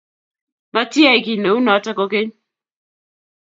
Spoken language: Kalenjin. Matiyai kiy neunoto kogeny